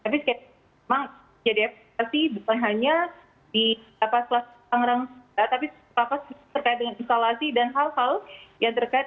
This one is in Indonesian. tapi memang jadi efekasi bukan hanya di kelas satu tangerang tapi terkait dengan instalasi dan hal hal yang terkait